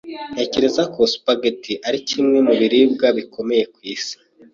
Ntekereza ko spaghetti ari kimwe mu biribwa bikomeye ku isi.